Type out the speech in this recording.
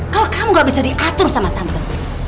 kalau kamu gak bisa diatur sama tante